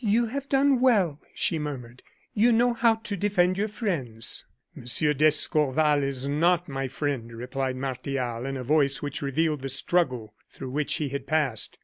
"You have done well," she murmured; "you know how to defend your friends." "Monsieur d'Escorval is not my friend," replied Martial, in a voice which revealed the struggle through which he had passed.